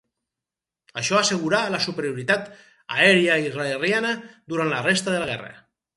Això assegurà la superioritat aèria israeliana durant la resta de la guerra.